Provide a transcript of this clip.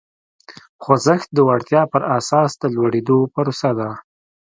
خوځښت د وړتیا پر اساس د لوړېدو پروسه ده.